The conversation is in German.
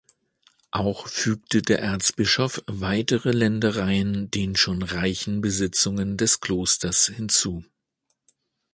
Auch fügte der Erzbischof weitere Ländereien den schon reichen Besitzungen des Klosters hinzu.